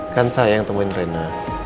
kan saya yang temuin rena